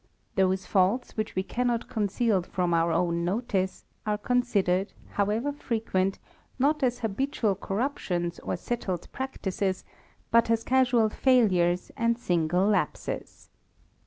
Those faults which we cannot conceal from our own notice, are con sidered, however frequent, not as habitual corruptions, or ^ttled practices, but as casual failures, and single lapses.